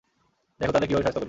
দেখো তাদের কীভাবে শায়েস্তা করি।